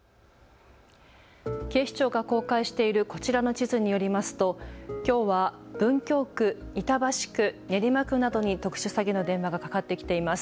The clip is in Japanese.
警視庁が公開しているこちらの地図によりますときょうは文京区、板橋区、練馬区などに特殊詐欺の電話がかかってきています。